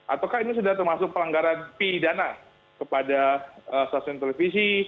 ataukah ini sudah termasuk pelanggaran pidana kepada stasiun televisi